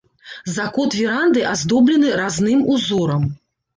Закот веранды аздоблены разным узорам.